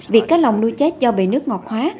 việc cá lòng nuôi chết do bệ nước ngọt hóa